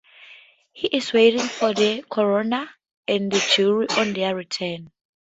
He is waiting for the coroner and jury on their return.